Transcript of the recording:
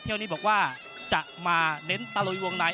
ที่วันนี้บอกว่าจะมาเน้นตะลุยวงไนท์